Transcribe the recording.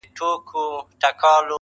كه خپلوې مي نو در خپل مي كړه زړكيه زما.